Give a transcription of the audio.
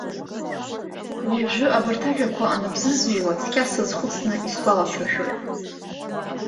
Уажәы, абарҭ ажәақәа аныбзызыҩуа, цқьа сазхәыцны исгәаласыршәоит.